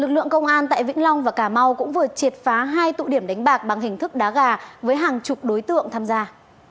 lực lượng công an tại vĩnh long và cà mau cũng vừa triệt phá hai tụ điểm đánh bạc bằng hình thức đá gà với hàng chục đối tượng tham gia